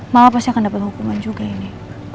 malah pasti akan dapat hukuman juga ini